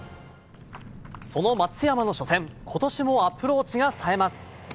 その松山の初戦今年もアプローチがさえます。